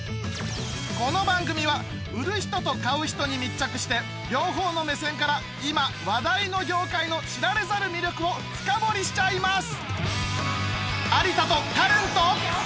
この番組は売る人と買う人に密着して両方の目線から今話題の業界の知られざる魅力を深掘りしちゃいます